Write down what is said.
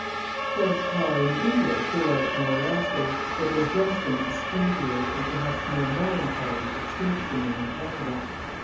French power in India threw out more lustre, but was destined to speedier, and perhaps more melancholy, extinction than in Canada.